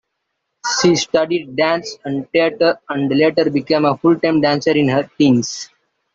She studied dance and theater and later became a full-time dancer in her teens.